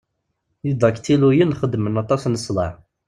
Idaktiluyen xeddmen aṭas n ssḍeε.